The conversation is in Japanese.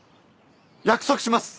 約束します！